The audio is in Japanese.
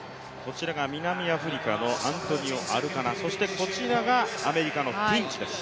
南アフリカのアントニオ・アルカナ、そしてアメリカのティンチです。